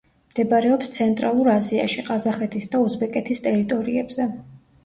მდებარეობს ცენტრალურ აზიაში, ყაზახეთის და უზბეკეთის ტერიტორიებზე.